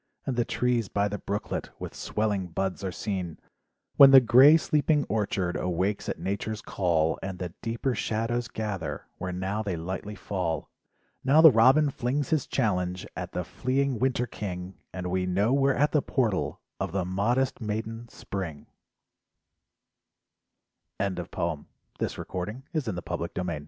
And the trees by the brooklet With swelling buds are seen, When the grey sleeping orchard Awakes at nature's call, And the deeper shadows gather Where now they lightly fall, Now the robin flings his challenge At the fleeing winter king, And we know we're at the portal Of the modest maiden "spring " LIFE WAVES 17 THE DREAM OF THE LITTLE BROWN BIRD "Just